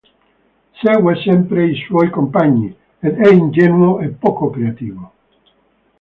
Segue sempre i suoi compagni, ed è ingenuo e poco creativo.